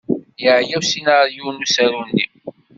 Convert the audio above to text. Yeɛya usinaryu n usaru-nni.